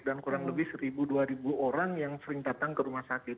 dan kurang lebih seribu dua ribu orang yang sering datang ke rumah sakit